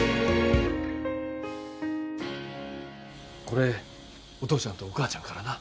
これお父ちゃんとお母ちゃんからな。